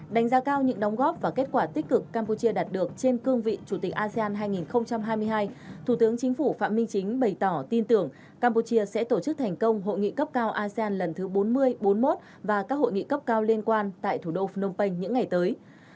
đánh giá cao những đóng góp và kết quả tích cực campuchia đạt được trên cương vị chủ tịch asean hai nghìn hai mươi hai thủ tướng chính phủ phạm minh chính bày tỏ tin tưởng campuchia sẽ tổ chức thành công hội nghị cấp cao asean lần thứ bốn mươi bốn mươi một và các hội nghị cấp cao liên quan tại thủ đô phnom penh những ngày tới